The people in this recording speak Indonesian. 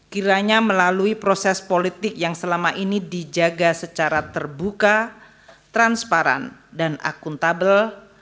kiranya melalui proses politik yang selama ini dijaga secara terbuka transparan dan akuntabel